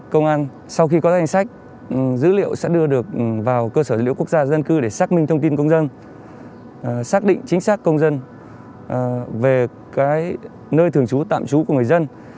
công an sau khi có danh sách dữ liệu sẽ đưa được vào cơ sở dữ liệu quốc gia dân cư để xác minh thông tin công dân xác định chính xác công dân về cái nơi thường trú tạm trú của người dân